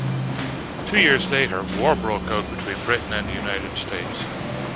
Two years later, war broke out between Britain and the United States.